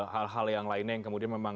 hal hal yang lainnya yang kemudian memang